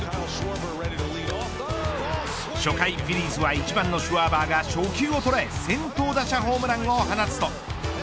初回フィリーズは、１番のシュワーバーが初球を捉え先頭打者ホームランを放つと。